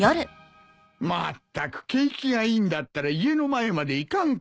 まったく景気がいいんだったら家の前まで行かんか。